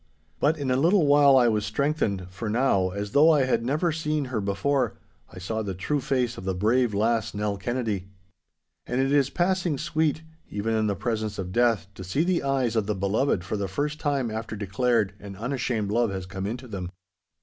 But in a little while I was strengthened, for now, as though I had never seen her before, I saw the true face of the brave lass Nell Kennedy. And it is passing sweet, even in the presence of death, to see the eyes of the beloved for the first time after declared and unashamed love has come into them.